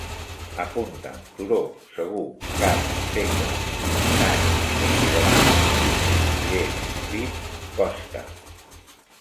Apunta: turó, segur, cat, segle, gat, considerar, tipus, llei, bit, costa